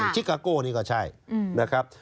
ชิกาโก้นี่ก็ใช่นะครับ